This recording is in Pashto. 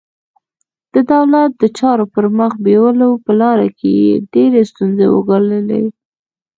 د دولت د چارو پر مخ بیولو په لاره کې یې ډېرې ستونزې وګاللې.